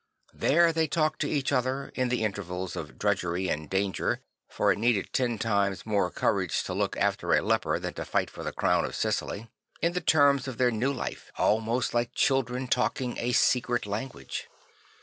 There they talked to each other, in the intervals of drudgery and danger (for it needed ten times more courage to look after a leper than to fight for the crown of Sicily) J in the terms of their new life, almost like children talking a secret language.